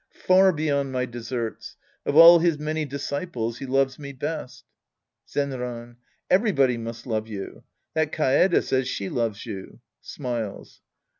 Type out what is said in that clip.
Far beyond my deserts. Of all his many disciples, he loves me best. Zenran. Everybody must love you. That Kaede says she loves you. {Smiles.)